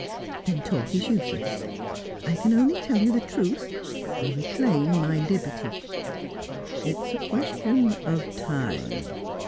"Then talk is useless. I can only tell you the truth, and reclaim my liberty." "It's a question of time.